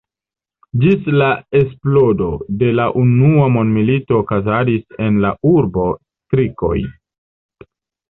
Ĝis la eksplodo de la Unua Mondmilito okazadis en la urbo strikoj.